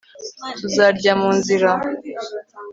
Tuzarya mu nzira